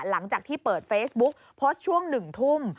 หลังจากที่เปิดเฟซบุ๊กโพสต์ช่วง๑ทุ่ม